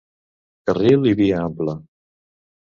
Carril i via ampla!